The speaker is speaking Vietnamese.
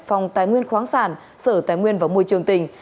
phòng tái nguyên khoáng sản sở tái nguyên và môi trường tỉnh